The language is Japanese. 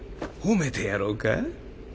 褒めてやろうか？